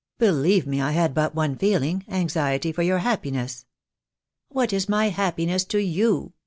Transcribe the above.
"Believe me I had but one feeling, anxiety for your happiness." "What is my happiness to you?"